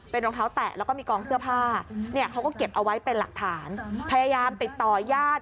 รองเท้าแตะแล้วก็มีกองเสื้อผ้าเนี่ยเขาก็เก็บเอาไว้เป็นหลักฐานพยายามติดต่อญาติ